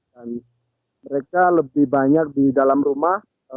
dan mereka lebih banyak di dalam rumah